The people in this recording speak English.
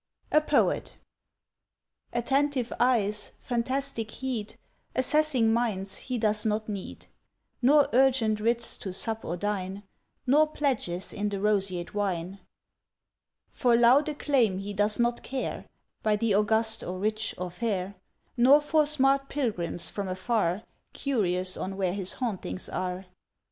A POET ATTENTIVE eyes, fantastic heed, Assessing minds, he does not need, Nor urgent writs to sup or dine, Nor pledges in the roseate wine. For loud acclaim he does not care By the august or rich or fair, Nor for smart pilgrims from afar, Curious on where his hauntings are.